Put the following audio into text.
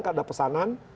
karena ada pesanan